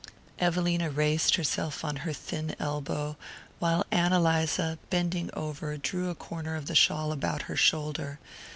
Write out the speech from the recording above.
Evelina raised herself on her thin elbow, while Ann Eliza, bending over, drew a corner of the shawl about her shoulder.